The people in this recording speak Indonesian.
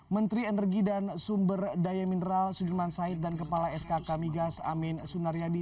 menteri energi dan sumber daya mineral sudirman said dan kepala skk migas amin sunaryadi